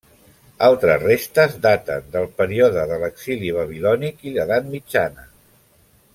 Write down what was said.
Altres restes daten del període de l'exili babilònic i l'edat mitjana.